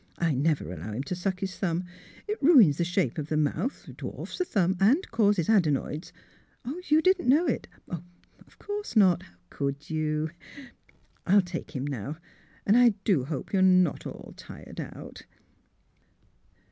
I never allow him to suck his thumb. It ruins the shape of the mouth, dwarfs the thumb, and causes adenoids. — You didn't know it? Of course not! How could you? MALVINA BENNETT, DRESSMAKER 81 I'll take liim now; and I do hope you're not all tired out!